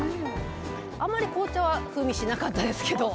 あんまり紅茶は風味しなかったですけど。